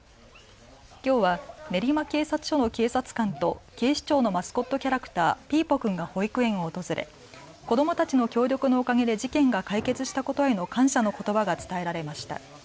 きょうは練馬警察署の警察官と警視庁のマスコットキャラクター、ピーポくんが保育園を訪れ子どもたちの協力のおかげで事件が解決したことへの感謝のことばが伝えられました。